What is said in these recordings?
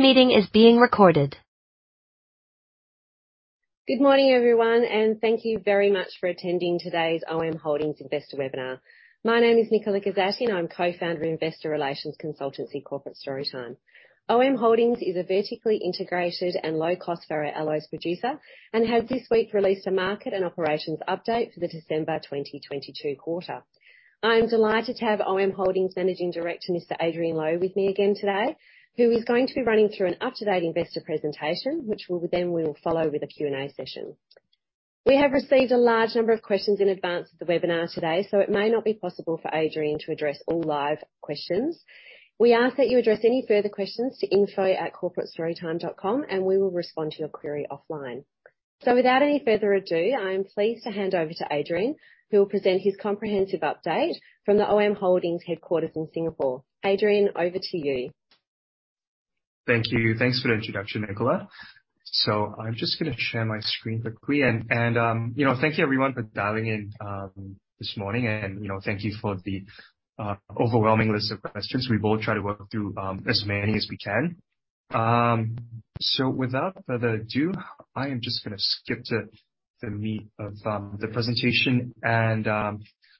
This meeting is being recorded. Good morning, everyone, thank you very much for attending today's OM Holdings investor webinar. My name is Nicola Gosatti, and I'm co-founder of investor relations consultancy, Corporate Storytime. OM Holdings is a vertically integrated and low-cost ferroalloys producer and has this week released a market and operations update for the December 2022 quarter. I am delighted to have OM Holdings Managing Director, Mr. Adrian Low, with me again today, who is going to be running through an up-to-date investor presentation, which we will then follow with a Q&A session. We have received a large number of questions in advance of the webinar today, so it may not be possible for Adrian to address all live questions. We ask that you address any further questions to info@corporatestorytime.com, and we will respond to your query offline. Without any further ado, I am pleased to hand over to Adrian, who will present his comprehensive update from the OM Holdings headquarters in Singapore. Adrian, over to you. Thank you. Thanks for the introduction, Nicola. I'm just gonna share my screen quickly and, you know, thank you everyone for dialing in this morning and, you know, thank you for the overwhelming list of questions. We will try to work through as many as we can. Without further ado, I am just gonna skip to the meat of the presentation.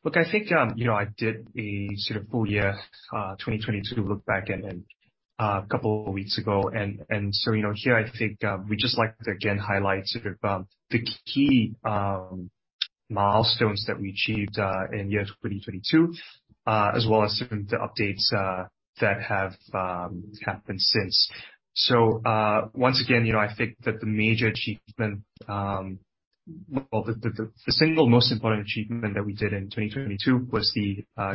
Look, I think, you know, I did a sort of full year 2022 look back and a couple of weeks ago. Here I think, we just like to again highlight sort of the key milestones that we achieved in year 2022, as well as some of the updates that have happened since. Once again, you know, I think that Well, the single most important achievement that we did in 2022 was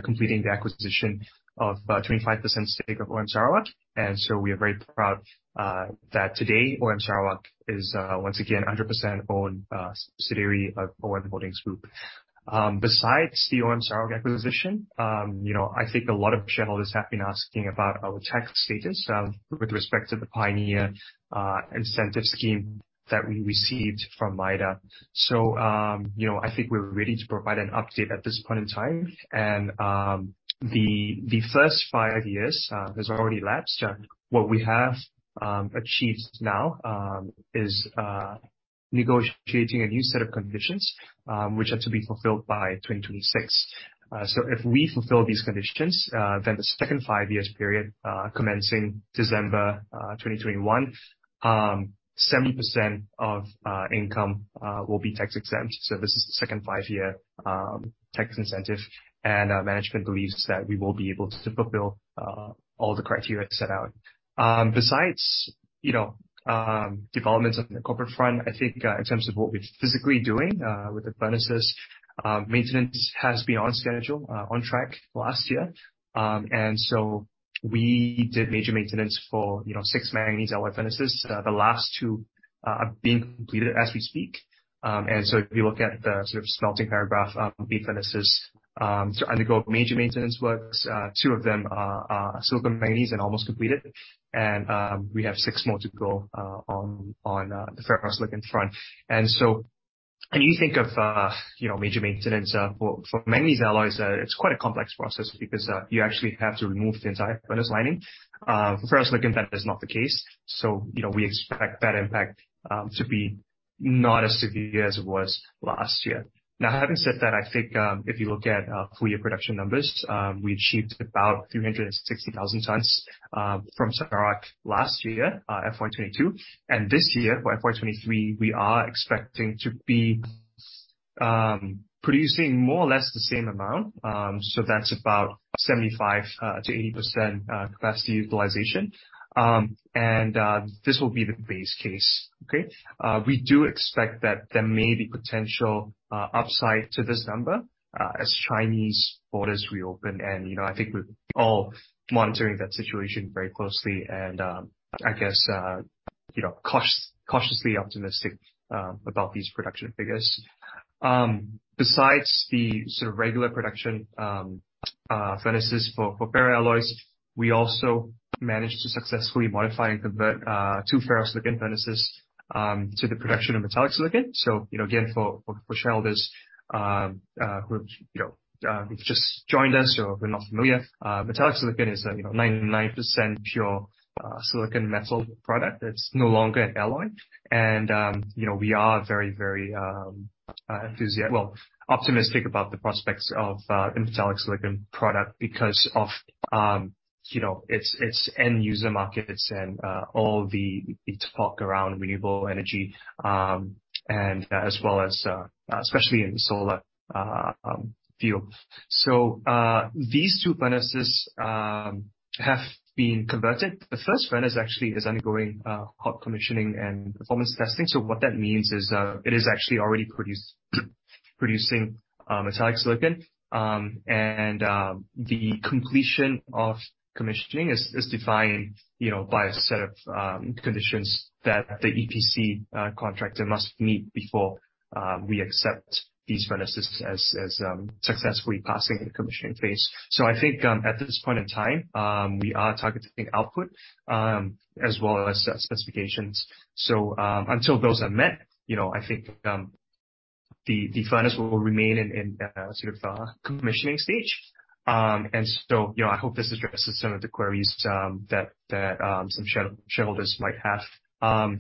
completing the acquisition of 25% stake of OM Sarawak. We are very proud that today OM Sarawak is once again 100% owned subsidiary of OM Holdings Group. Besides the OM Sarawak acquisition, you know, I think a lot of shareholders have been asking about our tax status with respect to the Pioneer incentive scheme that we received from MIDA. You know, I think we're ready to provide an update at this point in time. The first five years has already elapsed. What we have achieved now is negotiating a new set of conditions which are to be fulfilled by 2026. If we fulfill these conditions, then the second five years period, commencing December, 2021, 70% of income will be tax-exempt..This is the second five-year tax incentive. Our management believes that we will be able to fulfill all the criteria set out. Besides, you know, developments on the corporate front, I think, in terms of what we're physically doing with the furnaces, maintenance has been on schedule, on track last year. We did major maintenance for, you know, six manganese alloy furnaces. The last two are being completed as we speak. If you look at the sort of smelting paragraph, B furnaces to undergo major maintenance works. Two of them are silicomanganese and almost completed. We have six more to go on the ferrosilicon front. When you think of, you know, major maintenance for manganese alloys, it's quite a complex process because you actually have to remove the entire furnace lining. For ferrosilicon that is not the case. You know, we expect that impact to be not as severe as it was last year. Now, having said that, I think if you look at full year production numbers, we achieved about 360,000 tons from Sarawak last year, FY 2022. This year for FY 2023, we are expecting to be producing more or less the same amount. That's about 75%-80% capacity utilization. This will be the base case. Okay? We do expect that there may be potential upside to this number as Chinese borders reopen. You know, I think we're all monitoring that situation very closely and, I guess, you know, cautiously optimistic about these production figures. Besides the sort of regular production furnaces for ferroalloys, we also managed to successfully modify and convert two ferrosilicon furnaces to the production of metallic silicon. You know, again, for shareholders, who, you know, who've just joined us or who are not familiar, metallic silicon is a, you know, 99% pure, silicon metal product. It's no longer an alloy. You know, we are very, very, Well, optimistic about the prospects of a metallic silicon product because of, you know, its end user markets and all the talk around renewable energy and as well as especially in the solar field. These two furnaces have been converted. The first furnace actually is undergoing hot commissioning and performance testing. What that means is that it is actually already producing metallic silicon. The completion of commissioning is defined, you know, by a set of conditions that the EPC contractor must meet before we accept these furnaces as successfully passing the commissioning phase. I think at this point in time, we are targeting output as well as specifications. Until those are met, you know, I think the furnace will remain in commissioning stage. You know, I hope this addresses some of the queries that some shareholders might have.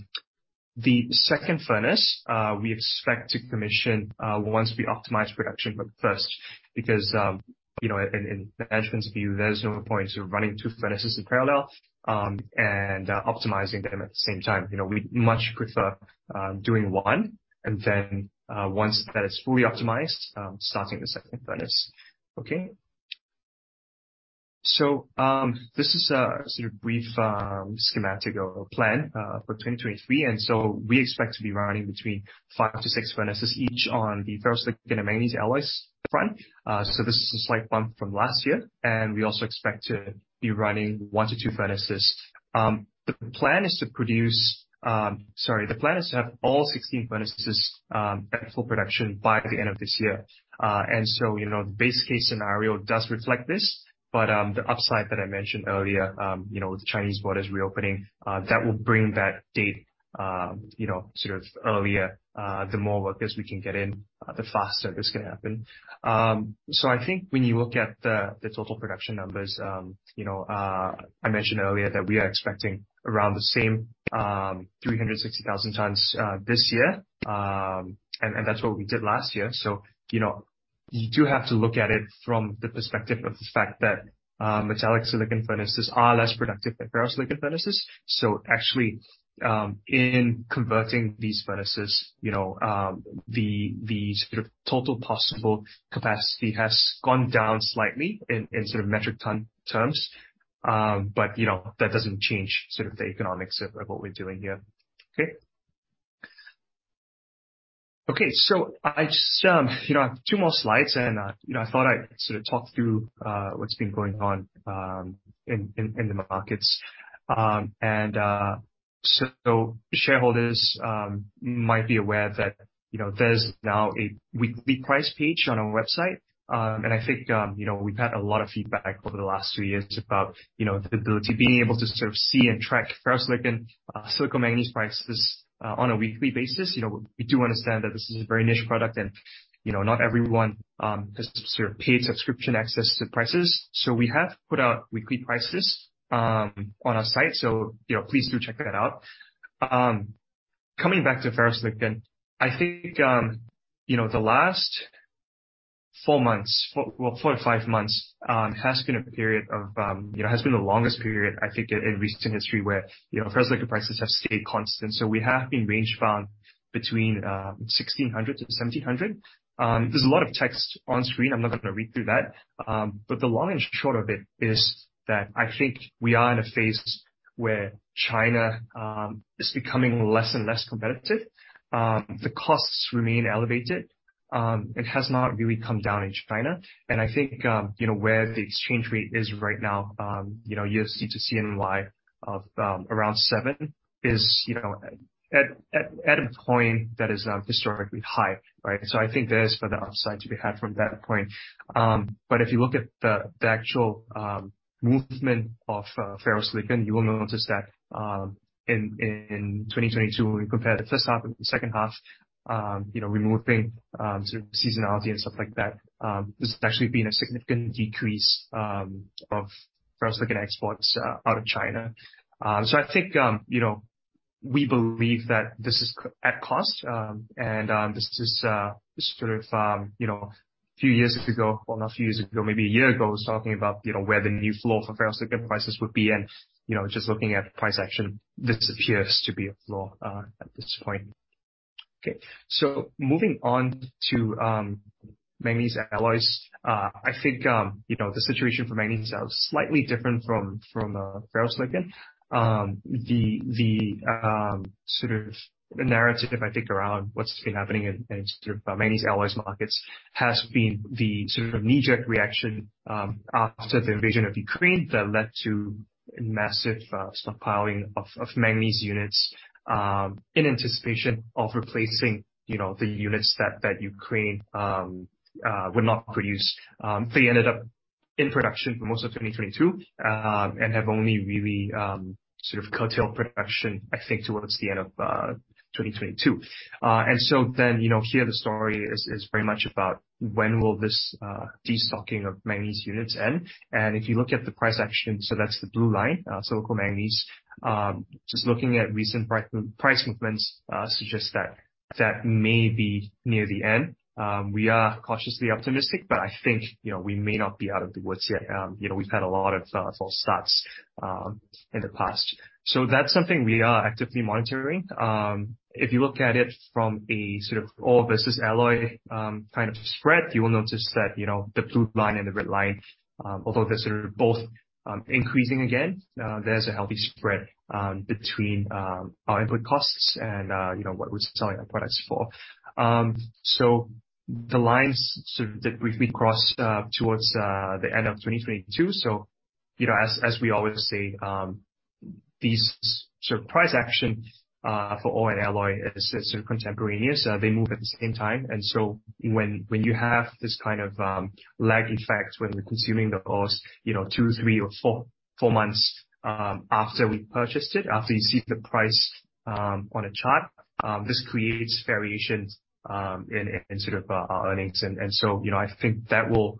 The second furnace we expect to commission once we optimize production first because, you know, in management's view, there's no point sort of running two furnaces in parallel and optimizing them at the same time. You know, we'd much prefer doing one and then once that is fully optimized, starting the second furnace. Okay. This is a sort of brief schematic or plan for 2023. We expect to be running between five to six furnaces each on the ferrosilicon and manganese alloys front. This is a slight bump from last year. We also expect to be running one to two furnaces. The plan is to have all 16 furnaces at full production by the end of this year. You know, the base case scenario does reflect this, but the upside that I mentioned earlier, you know, with Chinese borders reopening, that will bring that date, you know, sort of earlier. The more workers we can get in, the faster this can happen. I think when you look at the total production numbers, you know, I mentioned earlier that we are expecting around the same 360,000 tons this year. That's what we did last year. You know, you do have to look at it from the perspective of the fact that metallic silicon furnaces are less productive than ferrosilicon furnaces. Actually, in converting these furnaces, you know, the sort of total possible capacity has gone down slightly in sort of metric ton terms. You know, that doesn't change sort of the economics of what we're doing here. Okay. Okay, I just, you know, two more slides, and, you know, I thought I'd sort of talk through what's been going on in the markets. Shareholders might be aware that, you know, there's now a weekly price page on our website. I think, you know, we've had a lot of feedback over the last two years about, you know, the ability being able to sort of see and track ferrosilicon, silicomanganese prices on a weekly basis. You know, we do understand that this is a very niche product and, you know, not everyone has sort of paid subscription access to prices. We have put out weekly prices on our site. You know, please do check that out. Coming back to ferrosilicon, I think, you know, the last four months, well, four to five months, has been the longest period, I think, in recent history where, you know, ferrosilicon prices have stayed constant. We have been range-bound between $1,600-$1,700. There's a lot of text on screen. I'm not gonna read through that. The long and short of it is that I think we are in a phase where China is becoming less and less competitive. The costs remain elevated. It has not really come down in China. I think, you know, where the exchange rate is right now, you know, USD to CNY of around 7 is, you know, at, at a point that is historically high, right? I think there is further upside to be had from that point. If you look at the actual movement of ferrosilicon, you will notice that in 2022, when we compare the first half and the second half, you know, removing sort of seasonality and stuff like that, there's actually been a significant decrease of ferrosilicon exports out of China. I think, you know, we believe that this is at cost. And this is sort of, you know, a few years ago, well, not a few years ago, maybe a year ago, I was talking about, you know, where the new flow for ferrosilicon prices would be. You know, just looking at price action, this appears to be a flow at this point. Moving on to manganese alloys. I think, you know, the situation for manganese alloys is slightly different from ferrosilicon. The narrative I think around what's been happening in manganese alloys markets has been the knee-jerk reaction after the invasion of Ukraine that led to massive stockpiling of manganese units in anticipation of replacing, you know, the units that Ukraine would not produce. They ended up in production for most of 2022 and have only really curtailed production, I think, towards the end of 2022. You know, here the story is very much about when will this destocking of manganese units end? If you look at the price action, so that's the blue line, silicomanganese, just looking at recent price movements, suggests that that may be near the end. We are cautiously optimistic, but I think, you know, we may not be out of the woods yet. You know, we've had a lot of false starts in the past. That's something we are actively monitoring. If you look at it from a sort of ore versus alloy, kind of spread, you will notice that, you know, the blue line and the red line, although they're sort of both increasing again, there's a healthy spread between our input costs and, you know, what we're selling our products for. The lines sort of did briefly cross towards the end of 2022. You know, as we always say, these sort of price action for ore and alloy is sort of contemporaneous. They move at the same time. When, when you have this kind of lag effect, when we're consuming the ores, you know, two, three, or four months after we purchased it, after you see the price on a chart, this creates variations in sort of our earnings. You know, I think that will.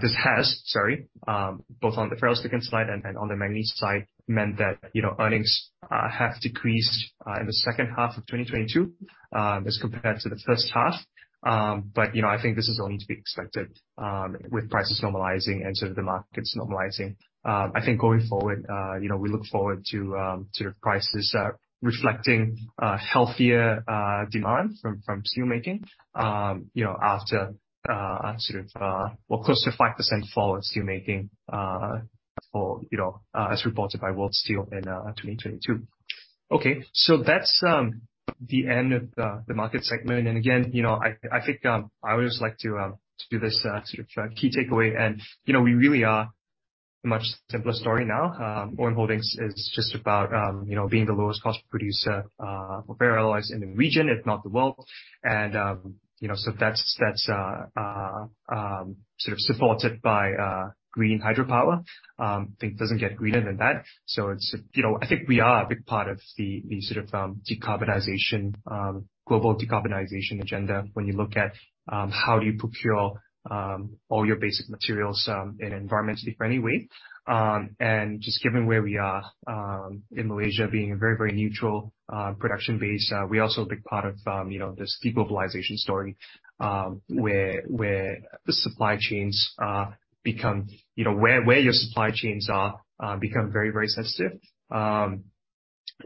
This has, sorry, both on the ferrosilicon slide and on the manganese side meant that, you know, earnings have decreased in the second half of 2022 as compared to the first half. You know, I think this is only to be expected with prices normalizing and sort of the markets normalizing. I think going forward, you know, we look forward to prices reflecting healthier demand from steel making, you know, after sort of well, close to 5% fall in steel making for, you know, as reported by World Steel in 2022. Okay. That's the end of the market segment. Again, you know, I think I always like to do this sort of key takeaway and, you know, we really are a much simpler story now. OM Holdings is just about, you know, being the lowest cost producer for ferroalloys in the region, if not the world. You know, so that's sort of supported by green hydropower. Think it doesn't get greener than that. It's, you know, I think we are a big part of the sort of decarbonization global decarbonization agenda when you look at how do you procure all your basic materials in an environmentally friendly way. Just given where we are in Malaysia being a very, very neutral production base, we're also a big part of, you know, this de-globalization story where the supply chains become, you know, where your supply chains are become very, very sensitive.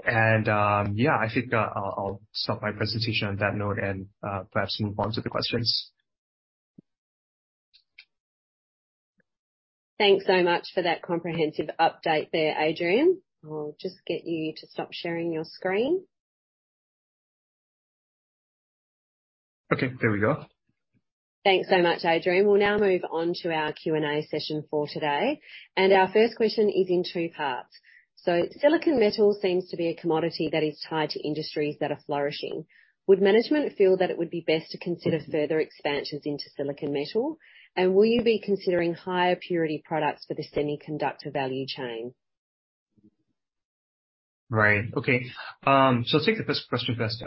Yeah, I think I'll stop my presentation on that note and perhaps move on to the questions. Thanks so much for that comprehensive update there, Adrian. I'll just get you to stop sharing your screen. Okay, there we are. Thanks so much, Adrian. We'll now move on to our Q&A session for today. Our first question is in two parts. Silicon metal seems to be a commodity that is tied to industries that are flourishing. Would management feel that it would be best to consider further expansions into silicon metal? Will you be considering higher purity products for the semiconductor value chain? Right. Okay. I'll take the first question first.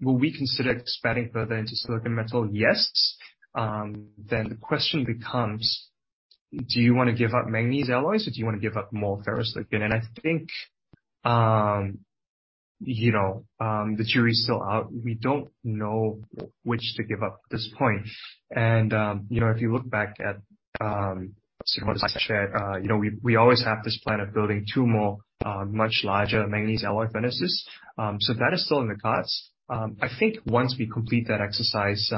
Will we consider expanding further into silicon metal? Yes. Then the question becomes: Do you wanna give up manganese alloys, or do you wanna give up more ferrosilicon? I think, you know, the jury is still out. We don't know which to give up at this point. You know, if you look back at, sort of what I said, you know, we always have this plan of building two more, much larger manganese alloy furnaces. That is still in the cards. I think once we complete that exercise,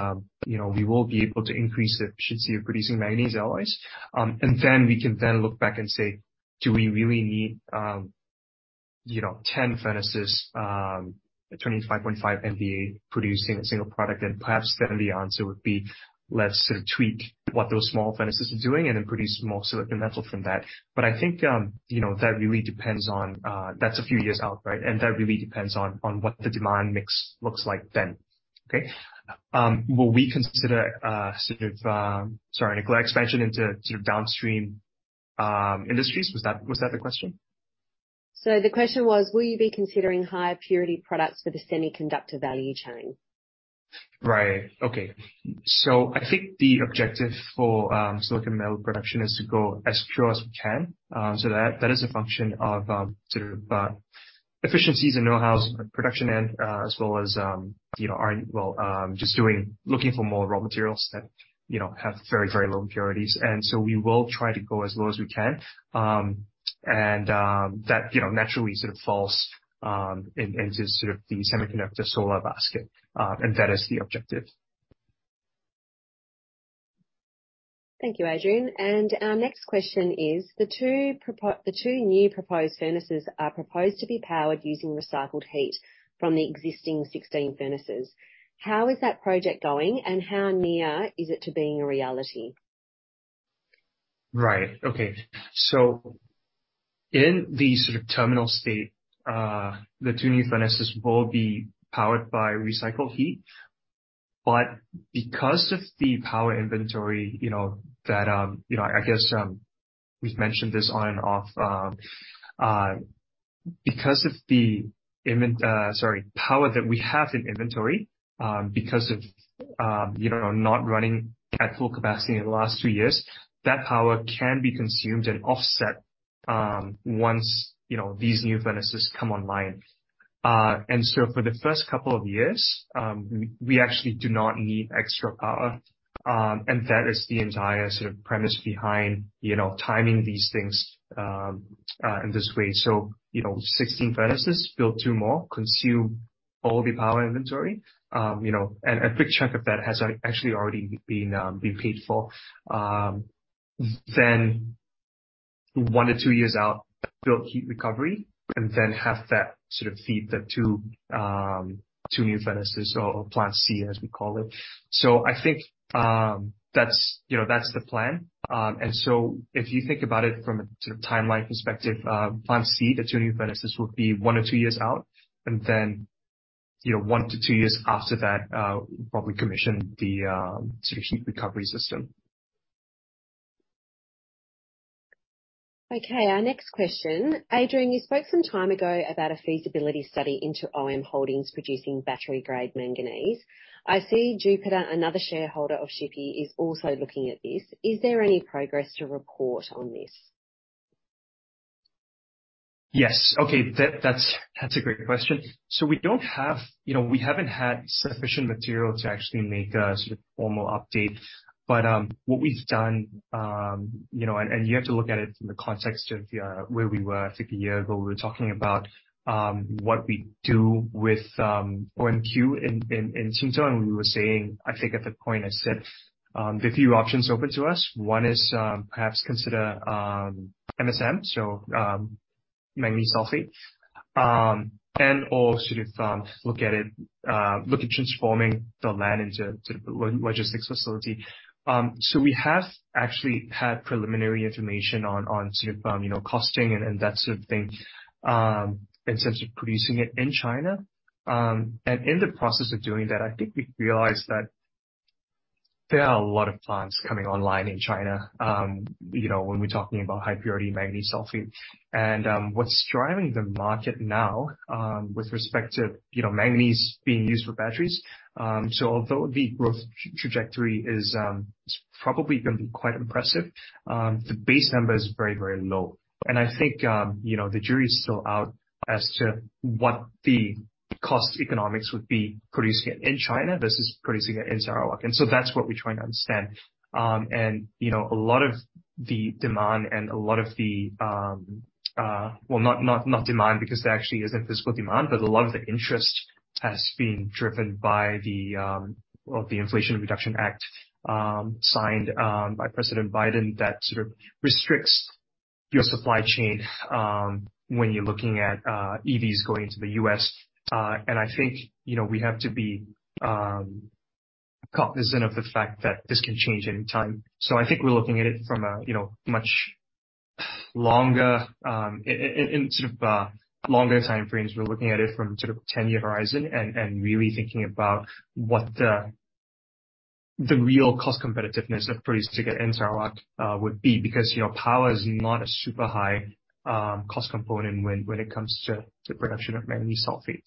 you know, we will be able to increase efficiency of producing manganese alloys. Then we can then look back and say, "Do we really need, you know, 10 furnaces at 25.5 MVA producing a single product?" Perhaps then the answer would be, let's sort of tweak what those small furnaces are doing and then produce more silicon metal from that. I think, you know, that really depends on. That's a few years out, right? That really depends on what the demand mix looks like then. Will we consider, sort of, Sorry, Nicola, expansion into sort of downstream industries? Was that the question? The question was, will you be considering higher purity products for the semiconductor value chain? Right. Okay. I think the objective for silicon metal production is to go as pure as we can. That, that is a function of sort of efficiencies and know-hows at production end, as well as, you know, Well, looking for more raw materials that, you know, have very, very low impurities. We will try to go as low as we can. That, you know, naturally sort of falls into sort of the semiconductor solar basket. That is the objective. Thank you, Adrian. Our next question is, the two new proposed furnaces are proposed to be powered using recycled heat from the existing 16 furnaces. How is that project going, and how near is it to being a reality? Right. Okay. In the sort of terminal state, the two new furnaces will be powered by recycled heat. Because of the power inventory, you know, that, I guess, we've mentioned this on and off, because of the power that we have in inventory, because of not running at full capacity in the last two years, that power can be consumed and offset once these new furnaces come online. For the first couple of years, we actually do not need extra power. That is the entire sort of premise behind, you know, timing these things in this way. You know, 16 furnaces, build two more, consume all the power inventory. You know, a big chunk of that has actually already been paid for. one to two years out, build heat recovery, and then have that sort of feed the two new furnaces or plant C as we call it. I think, that's, you know, that's the plan. If you think about it from a sort of timeline perspective, plant C, the two new furnaces would be one to two years out, and then, you know, one to two years after that, we'll probably commission the sort of heat recovery system. Okay, our next question. Adrian, you spoke some time ago about a feasibility study into OM Holdings producing battery-grade manganese. I see Jupiter, another shareholder of Tshipi, is also looking at this. Is there any progress to report on this? Yes. Okay. That's a great question. We don't have. You know, we haven't had sufficient material to actually make a sort of formal update. What we've done, you know, and you have to look at it from the context of where we were, I think, a year ago. We were talking about what we do with OMQ in Qinzhou. We were saying, I think at that point, I said, there are a few options open to us. One is, perhaps consider HPMSM, so manganese sulfate, and/or sort of, look at it, look at transforming the land into logistics facility. We have actually had preliminary information on sort of, you know, costing and that sort of thing, in terms of producing it in China. In the process of doing that, I think we realized that there are a lot of plants coming online in China, you know, when we're talking about high-purity manganese sulphate. What's driving the market now, with respect to, you know, manganese being used for batteries, so although the growth trajectory is probably gonna be quite impressive, the base number is very, very low. I think, you know, the jury is still out as to what the cost economics would be producing it in China versus producing it in Sarawak. That's what we're trying to understand. You know, a lot of the demand and a lot of the, well, not, not demand because there actually isn't physical demand, but a lot of the interest has been driven by the, well, the Inflation Reduction Act, signed by President Biden that sort of restricts your supply chain, when you're looking at EVs going to the US. I think, you know, we have to be cognizant of the fact that this can change any time. I think we're looking at it from a, you know, much longer time frames. We're looking at it from sort of 10-year horizon and really thinking about what the real cost competitiveness of producing to get in Sarawak would be. You know, power is not a super high cost component when it comes to the production of manganese sulfate.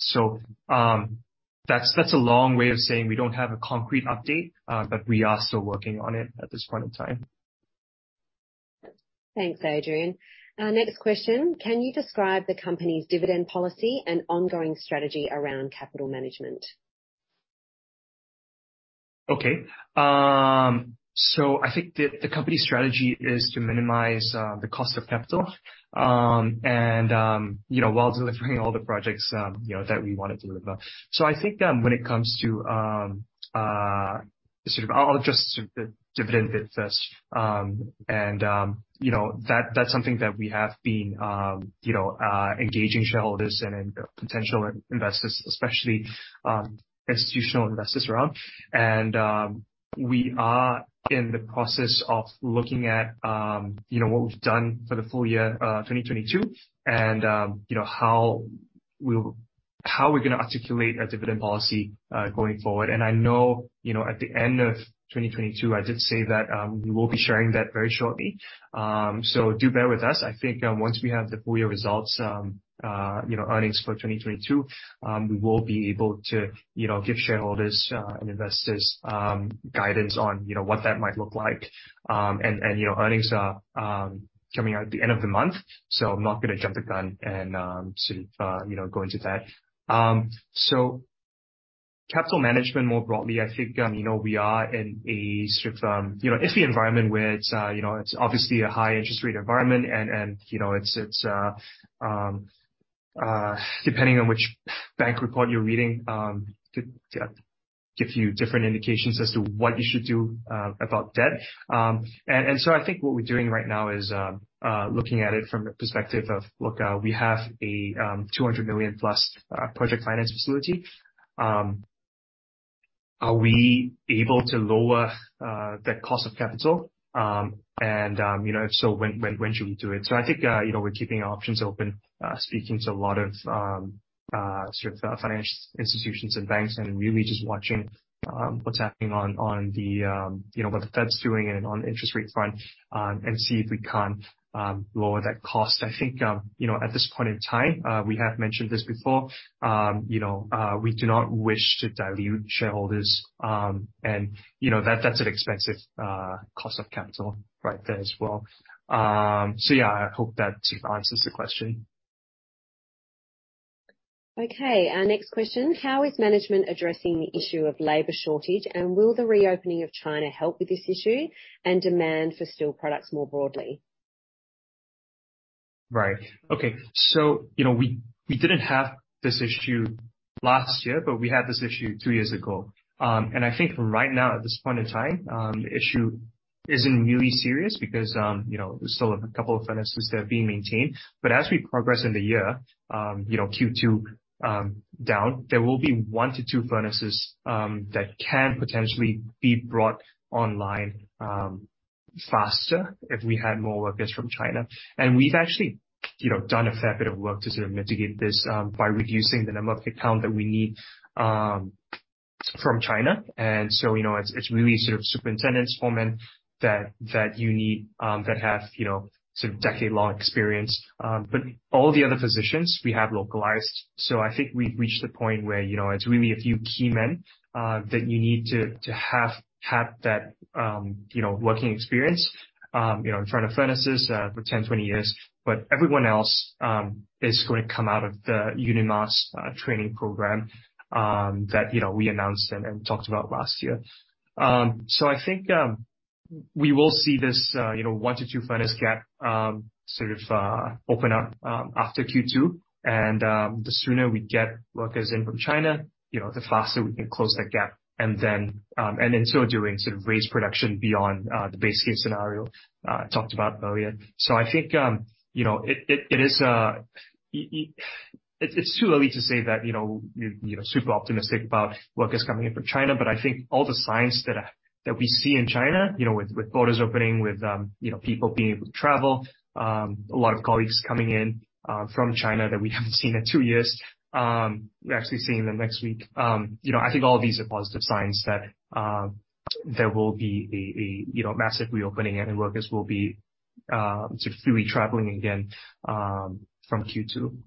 That's a long way of saying we don't have a concrete update, but we are still working on it at this point in time. Thanks, Adrian. Our next question. Can you describe the company's dividend policy and ongoing strategy around capital management? I think the company's strategy is to minimize the cost of capital and while delivering all the projects that we want to deliver. I think when it comes to I'll address the dividend bit first. That's something that we have been engaging shareholders and potential investors, especially institutional investors around. We are in the process of looking at what we've done for the full year 2022, how we're gonna articulate our dividend policy going forward. I know at the end of 2022, I did say that we will be sharing that very shortly. Do bear with us. I think, once we have the full year results, you know, earnings for 2022, we will be able to, you know, give shareholders, investors, guidance on, you know, what that might look like. You know, earnings are coming out at the end of the month, so I'm not gonna jump the gun and sort of, you know, go into that. Capital management more broadly, I think, you know, we are in a sort of, you know, iffy environment where it's, you know, it's obviously a high interest rate environment and, you know, it's, depending on which bank report you're reading, could give you different indications as to what you should do about debt. I think what we're doing right now is looking at it from the perspective of, look, we have a $200 millio+ project finance facility. Are we able to lower the cost of capital? You know, if so, when should we do it? I think, you know, we're keeping our options open, speaking to a lot of sort of financial institutions and banks and really just watching what's happening on the, you know, what the Fed's doing and on the interest rate front, and see if we can't lower that cost. I think, you know, at this point in time, we have mentioned this before, you know, we do not wish to dilute shareholders, and, you know, that's an expensive, cost of capital right there as well. Yeah, I hope that answers the question. Our next question. How is management addressing the issue of labor shortage, and will the reopening of China help with this issue and demand for steel products more broadly? Right. Okay. You know, we didn't have this issue last year, but we had this issue two years ago. I think right now at this point in time, the issue isn't really serious because, you know, there's still a couple of furnaces that are being maintained. As we progress in the year, you know, Q2 down, there will be one to two furnaces that can potentially be brought online faster if we had more workers from China. We've actually, you know, done a fair bit of work to sort of mitigate this by reducing the number of headcount that we need From China. You know, it's really sort of superintendents, foremen that you need that have, you know, sort of decade-long experience. All the other positions we have localized. I think we've reached the point where, you know, it's really a few key men that you need to have that, you know, working experience in front of furnaces for 10, 20 years. Everyone else is gonna come out of the UNIMAS training program that, you know, we announced and talked about last year. I think we will see this, you know, one to two furnace gap sort of open up after Q2. The sooner we get workers in from China, you know, the faster we can close that gap. And in so doing, sort of raise production beyond the base case scenario I talked about earlier. I think, you know, it is... It's too early to say that, you know, you're, you know, super optimistic about workers coming in from China, but I think all the signs that we see in China, you know, with borders opening, with, you know, people being able to travel, a lot of colleagues coming in from China that we haven't seen in two years. We're actually seeing them next week. You know, I think all of these are positive signs that there will be a, you know, massive reopening, and workers will be sort of freely traveling again from Q2.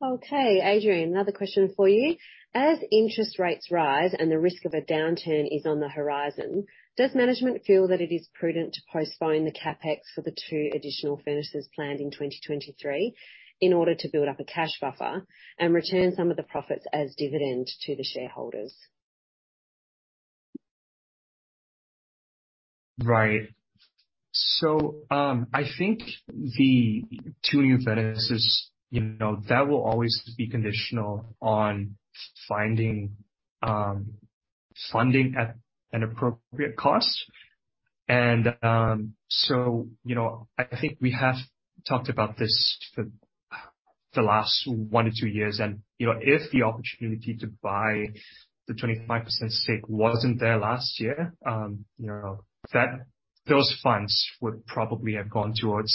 Okay. Adrian, another question for you. As interest rates rise and the risk of a downturn is on the horizon, does management feel that it is prudent to postpone the CapEx for the two additional furnaces planned in 2023 in order to build up a cash buffer and return some of the profits as dividend to the shareholders? Right. I think the two new furnaces, you know, that will always be conditional on finding funding at an appropriate cost. I think we have talked about this for the last one to two years. If the opportunity to buy the 25% stake wasn't there last year, you know, those funds would probably have gone towards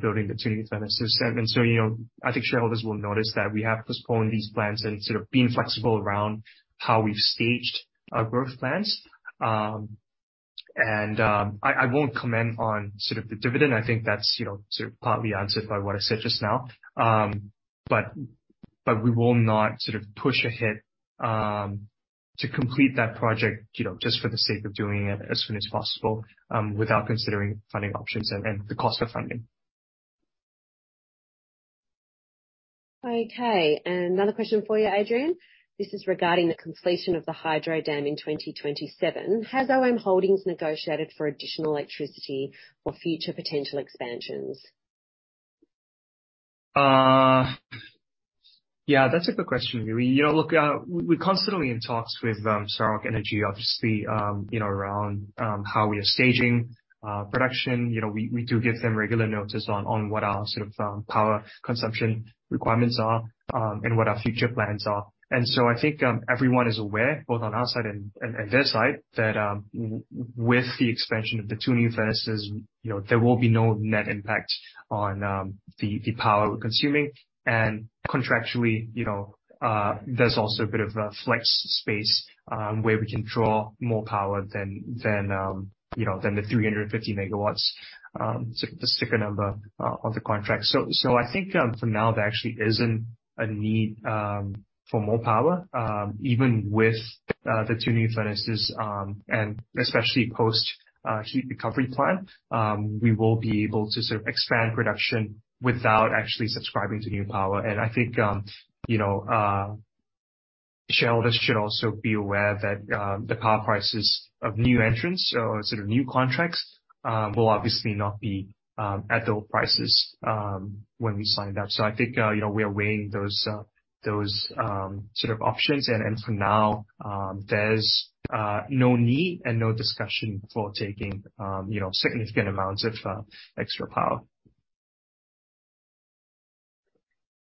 building the two new furnaces. I think shareholders will notice that we have postponed these plans and sort of been flexible around how we've staged our growth plans. I won't comment on sort of the dividend. I think that's, you know, sort of partly answered by what I said just now. We will not sort of push ahead to complete that project, you know, just for the sake of doing it as soon as possible, without considering funding options and the cost of funding. Okay. Another question for you, Adrian. This is regarding the completion of the hydro dam in 2027. Has OM Holdings negotiated for additional electricity for future potential expansions? Yeah, that's a good question. You know, look, we're constantly in talks with Sarawak Energy obviously, you know, around how we are staging production. You know, we do give them regular notice on what our sort of power consumption requirements are and what our future plans are. I think everyone is aware, both on our side and their side, that with the expansion of the two new furnaces, you know, there will be no net impact on the power we're consuming. Contractually, you know, there's also a bit of a flex space where we can draw more power than, you know, than the 350 MW, the sticker number of the contract. I think, for now, there actually isn't a need for more power. Even with the two new furnaces, and especially post heat recovery plant, we will be able to sort of expand production without actually subscribing to new power. I think, you know, shareholders should also be aware that the power prices of new entrants or sort of new contracts will obviously not be at the prices when we signed up. I think, you know, we are weighing those sort of options. For now, there's no need and no discussion for taking, you know, significant amounts of extra power.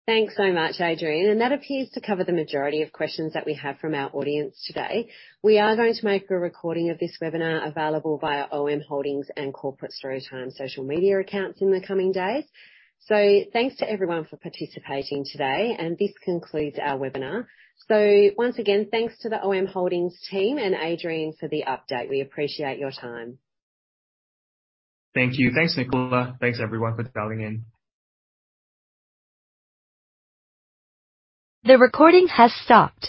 Thanks so much, Adrian. That appears to cover the majority of questions that we have from our audience today. We are going to make a recording of this webinar available via OM Holdings and Corporate Storytime social media accounts in the coming days. Thanks to everyone for participating today, and this concludes our webinar. Once again, thanks to the OM Holdings team and Adrian for the update. We appreciate your time. Thank you. Thanks, Nicola. Thanks, everyone, for dialing in. The recording has stopped.